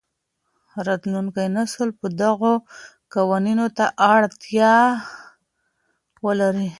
راتلونکی نسل به دغو قوانینو ته اړتیا ولري.